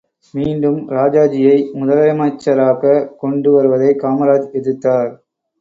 மீண்டும் ராஜாஜியை முதலமைச்சராகக் கொண்டு வருவதை காமராஜ் எதிர்த்தார்.